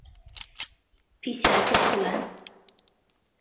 比西埃和普兰。